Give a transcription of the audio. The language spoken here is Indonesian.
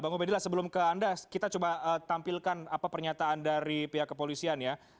bang obedillah sebelum ke anda kita coba tampilkan apa pernyataan dari pihak kepolisian ya